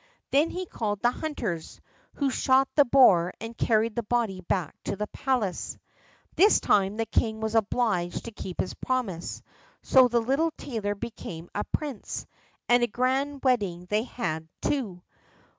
Then he called the hunters, who shot the boar and carried the body back to the palace. This time the king was obliged to keep his promise; so the little tailor became a prince, and a grand wedding they had, too.